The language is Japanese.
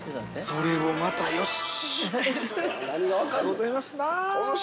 ◆それもまたよし。